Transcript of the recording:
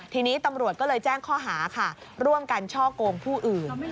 ทีนี้ตำรวจก็เลยแจ้งข้อหาค่ะร่วมกันช่อกงผู้อื่น